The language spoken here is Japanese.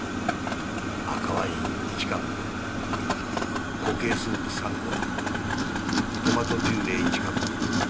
赤ワイン１カップ固形スープ３個トマトピューレ１カップ。